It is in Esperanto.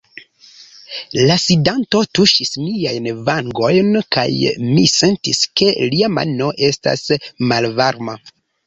La sidanto tuŝis miajn vangojn, kaj mi sentis, ke lia mano estas malvarma.